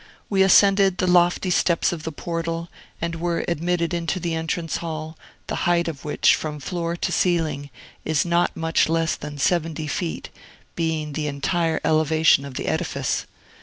We ascended the lofty steps of the portal, and were admitted into the entrance hall, the height of which, from floor to ceiling, is not much less than seventy feet, being the entire elevation of the edifice.